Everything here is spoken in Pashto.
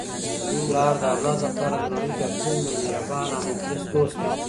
پلار د اولاد لپاره د نړۍ تر ټولو مهربانه او مخلص دوست دی.